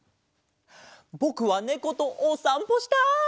ぼくはねことおさんぽしたい！